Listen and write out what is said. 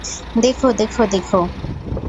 দেখো, দেখো, দেখো।